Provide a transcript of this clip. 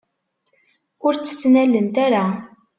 Ur tt-ttnalent ara.